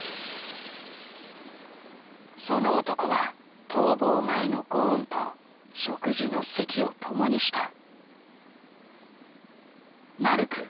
その男は逃亡前のゴーンと食事の席を共にした。